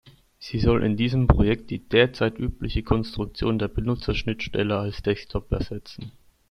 Sie soll in diesem Projekt die derzeit übliche Konstruktion der Benutzerschnittstelle als Desktop ersetzen.